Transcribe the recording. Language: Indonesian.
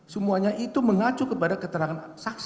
semuanya itu mengacu kepada keterangan saksi